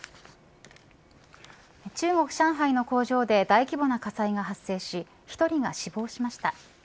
中国、上海の工場で大規模な火災が発生し、１人が死亡しました。